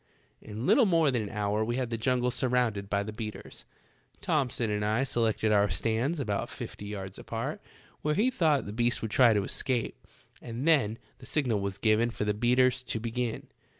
" In little more than an hour we had the jungle surrounded by the beaters. Thomson and I selected our stands about fifty yards apart, where we thought the beast would try to escape, and then the signal was given for the beaters to begin.